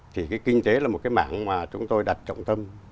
thì cái kinh tế là một cái mảng mà chúng tôi đặt trọng tâm